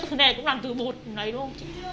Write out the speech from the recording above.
cái thứ này cũng làm từ bột này đúng không chị